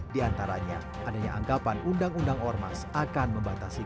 di antaranya adanya anggapan undang undang ormas akan membatasi